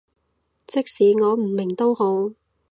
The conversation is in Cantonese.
即使我唔明都好